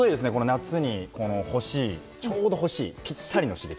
夏にちょうど欲しいぴったりの刺激です。